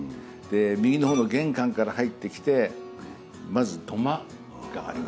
右の方の玄関から入ってきてまず土間があります。